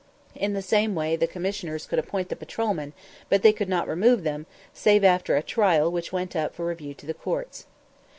In the same way the Commissioners could appoint the patrolmen, but they could not remove them, save after a trial which went up for review to the courts.